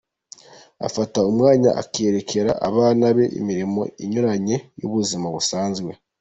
Afata umwanya akerekera abana be imirimo inyuranye y'ubuzima busanzwe.